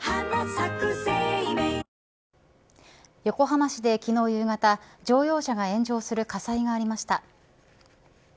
横浜市で昨日夕方乗用車が炎上する火災がありました。